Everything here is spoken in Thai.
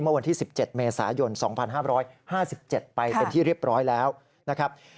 เมื่อวันที่๑๗เมษายน๒๕๕๗ไปเป็นที่เรียบร้อยแล้วนะครับ